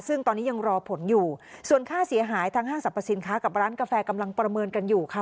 ซึ่งตอนนี้ยังรอผลอยู่ส่วนค่าเสียหายทางห้างสรรพสินค้ากับร้านกาแฟกำลังประเมินกันอยู่ค่ะ